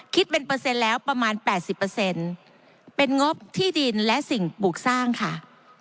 คิดเป็นเปอร์เซ็นต์แล้วประมาณแปดสิบเปอร์เซ็นต์เป็นงบที่ดินและสิ่งปลูกสร้างค่ะ